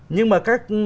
nhưng mà các